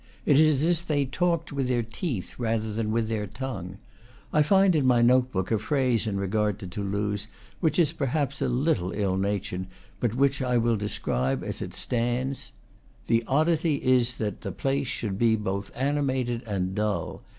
It is as if they talked with their teeth rather than with their tongue. I find in my note book a phrase in regard to Toulouse which is perhaps a little ill natured, but which I will transcribe as it stands: "The oddity is that the place should be both animated and dull.